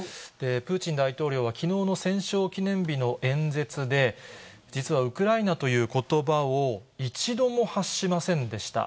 プーチン大統領は、きのうの戦勝記念日の演説で、実はウクライナということばを一度も発しませんでした。